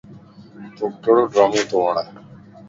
توک ڪھڙو ڊرامو تو وڻ؟